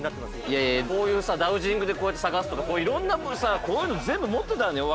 いやいやこういうダウジングでこうやって探すとかいろんな全部持ってたのよ。